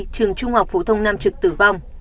trường trung học phổ thông nam trực tử vong